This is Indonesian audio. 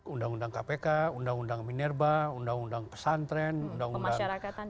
undang undang kpk undang undang minerba undang undang pesantren undang undang